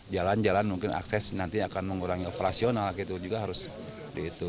jalan jalan mungkin akses nanti akan mengurangi operasional gitu juga harus di itu